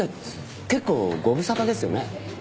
結構ご無沙汰ですよね？